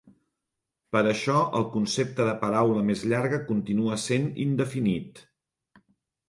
Per això el concepte de paraula més llarga continua sent indefinit.